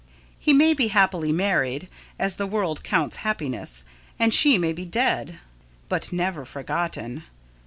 He may be happily married, as the world counts happiness, and She may be dead but never forgotten.